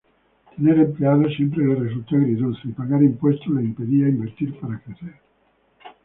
Tener empleados siempre le resultó agridulce, y pagar impuestos le impedía invertir para crecer.